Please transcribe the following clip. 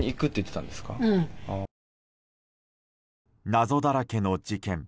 謎だらけの事件。